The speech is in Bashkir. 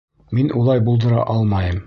Мин улай булдыра алмайым.